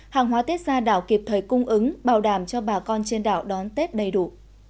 hàng hóa tết ra đảo kịp thời cung ứng bảo đảm cho bà con trên đảo đón tết đầy đủ